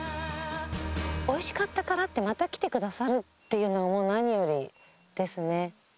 おいしかったからって、また来てくださるっていうのが何よりですね。